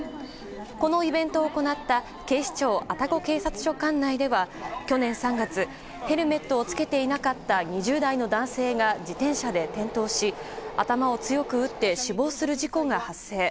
このイベントを行った警視庁愛宕警察署管内では去年３月ヘルメットを着けていなかった２０代の男性が自転車で転倒し頭を強く打って死亡する事故が発生。